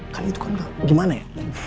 kan itu kan bagaimana ya